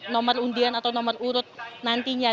nomor undian atau nomor urut nantinya